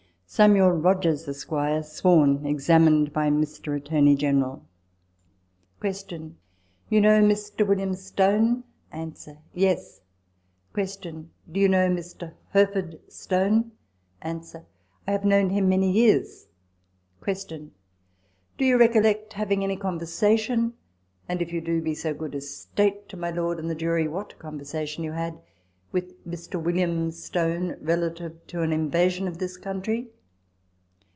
" Samuel Rogers, Esq. (sworn). Examined by Mr. Attorney General. Q. You know Mr. William Stone ? A. Yes. . Q. Do you know Mr. Hurford Stone ? A. I have known him many years. Q. Do you recollect having any conversation and if you do, be so good as state to my Lord and the jury what conversation you had with Mr. William Stone relative to an invasion of this country